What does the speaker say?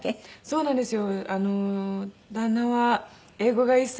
そうなんですよ！